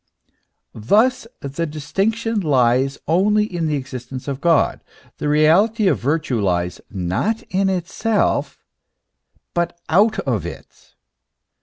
Thus the distinction lies only in the existence of God ; the reality of virtue lies not in itself, but out of it.